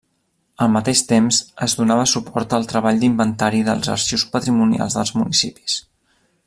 Al mateix temps, es donava suport al treball d'inventari dels arxius patrimonials dels municipis.